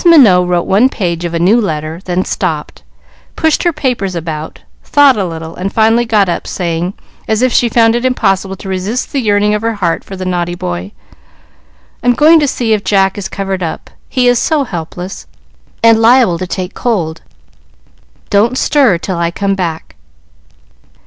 Minot wrote one page of a new letter, then stopped, pushed her papers about, thought a little, and finally got up, saying, as if she found it impossible to resist the yearning of her heart for the naughty boy, "I am going to see if Jack is covered up, he is so helpless, and liable to take cold. Don't stir till I come back."